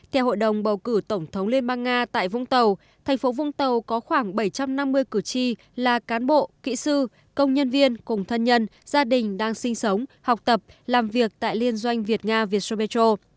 theo hội đồng bầu cử tổng thống liên bang nga tại vũng tàu thành phố vũng tàu có khoảng bảy trăm năm mươi cử tri là cán bộ kỹ sư công nhân viên cùng thân nhân gia đình đang sinh sống học tập làm việc tại liên doanh việt nga vietsopetro